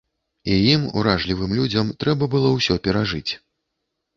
І ім, уражлівым людзям, трэба было ўсё перажыць.